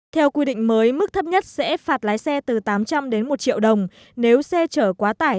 theo quy định mới mức thấp nhất sẽ phạt lái xe từ tám trăm linh đến một triệu đồng nếu xe chở quá tải